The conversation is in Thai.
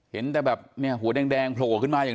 เห็นแต่แบบเนี่ยหัวแดงโผล่ขึ้นมาอย่าง